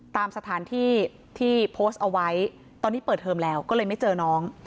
ตามสถานที่ที่โพสต์เอาไว้ตอนนี้เปิดเทอมแล้วก็เลยไม่เจอน้อง